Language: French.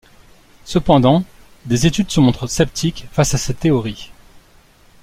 Cependant, des études se montrent sceptiques face à cette théorie.